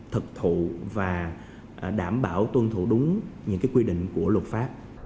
thực thụ và đảm bảo tuân thủ đúng những quy định của luật pháp